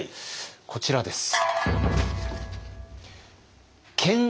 こちらです。